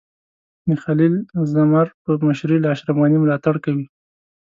د خلیل زمر په مشرۍ له اشرف غني ملاتړ کوي.